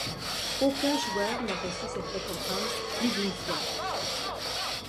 Aucun joueur n'a reçu cette récompense plus d'une fois.